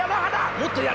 もっとやれる！